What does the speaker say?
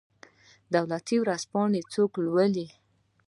دولتي ورځپاڼې څوک لوالي؟